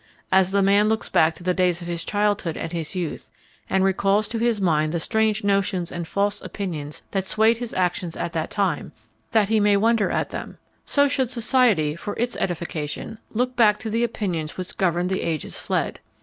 As the man looks back to the days of his childhood and his youth, and recalls to his mind the strange notions and false opinions that swayed his actions at that time, that he may wonder at them; so should society, for its edification, look back to the opinions which governed the ages fled.